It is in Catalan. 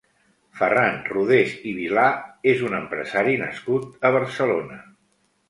Ferran Rodés i Vilà és un empresari nascut a Barcelona.